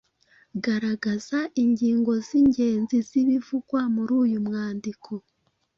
Garagaza ingingo z’ingenzi z’ibivugwa muri uyu mwandiko.